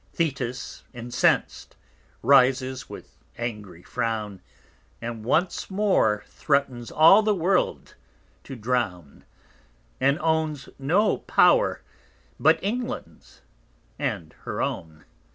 _ Thetis incens'd, rises with angry Frown, And once more threatens all the World to drown, And owns no Power, but England_'s and her own.